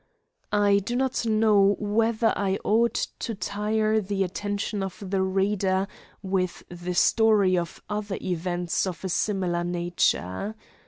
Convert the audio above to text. I do not know whether I ought to tire the attention of the reader with the story of other events of a similar nature.